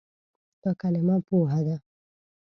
دا کلمه "پوهه" ده.